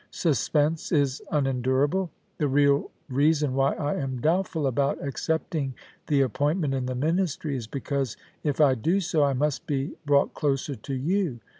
Suspense is unendurable. The real reason why I am doubtful about accepting the appointment in the Ministry is because if I do so I must be brought closer to you.